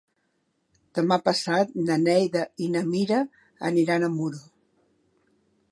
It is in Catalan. Demà passat na Neida i na Mira aniran a Muro.